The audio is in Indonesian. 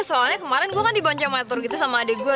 soalnya kemarin gue kan di bonceng motor gitu sama adek gue